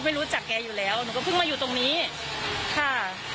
ก็ไม่รู้จะบอกยังไงเนาะ